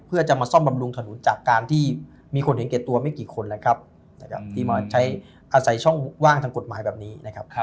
เพื่อจะมาซ่อมบำรุงขนุนจากการที่มีคนเห็นแก่ตัวไม่กี่คนแล้วครับนะครับที่มาใช้อาศัยช่องว่างทางกฎหมายแบบนี้นะครับ